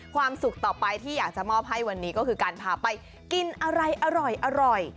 ความสุขต่อไปที่อยากจะมอบให้วันนี้ก็คือการพาไปกินอะไรอร่อย